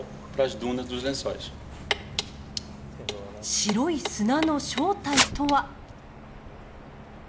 白い砂の正体とは。